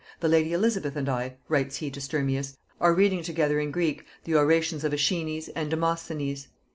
"The lady Elizabeth and I," writes he to Sturmius, "are reading together in Greek the Orations of Æschines and Demosthenes.